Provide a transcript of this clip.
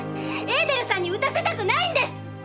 エーデルさんにうたせたくないんです！